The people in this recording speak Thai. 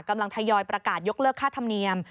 ทยอยประกาศยกเลิกค่าธรรมเนียม